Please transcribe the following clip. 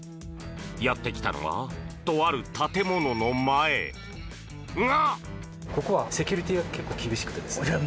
やってきたのはとある建物の前が！